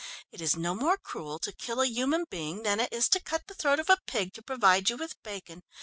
It is no more cruel to kill a human being than it is to cut the throat of a pig to provide you with bacon.